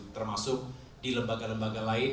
termasuk di lembaga lembaga lain